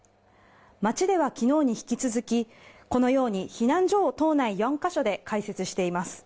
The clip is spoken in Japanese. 町ではきのうに引き続きこのように避難所を島内４か所で開設しています。